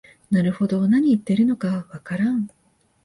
なるほど、なに言ってるのかわからん